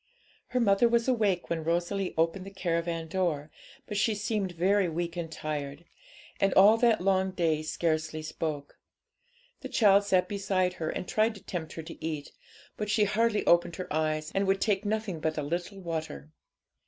Her mother was awake when Rosalie opened the caravan door, but she seemed very weak and tired, and all that long day scarcely spoke. The child sat beside her, and tried to tempt her to eat, but she hardly opened her eyes, and would take nothing but a little water.